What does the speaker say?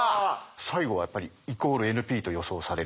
最後はやっぱり＝ＮＰと予想されると。